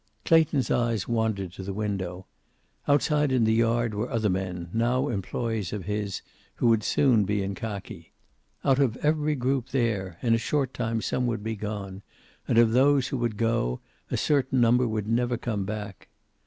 Clayton's eyes wandered to the window. Outside in the yard were other men, now employees of his, who would soon be in khaki. Out of every group there in a short time some would be gone, and of those who would go a certain number would never come back.